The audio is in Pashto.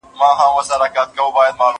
که وخت وي، واښه راوړم،